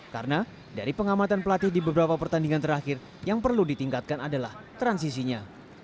karena dari pengamatan pelatih di beberapa pertandingan terakhir yang perlu ditingkatkan adalah transisinya